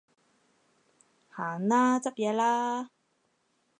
行啦，執嘢啦